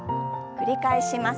繰り返します。